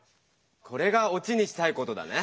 これが「落ち」にしたいことだね。